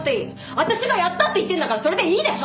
私がやったって言ってんだからそれでいいでしょ！